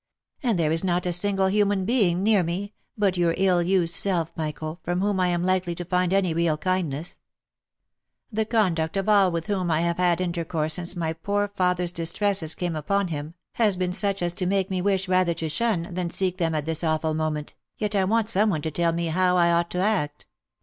" And there is not a single human being near me, but your ill used self, Michael, from whom I am likely to find any real kindnessl The conduct of all with whom I have had intercourse since my poor father's distresses came upon him, has been such as to make me wish rather to shun, than seek them at this awful moment, yet I want some one to tell me how I ought to act.